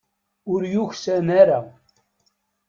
Ur yuksan ara.